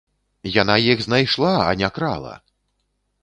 Яна іх знайшла, а не крала!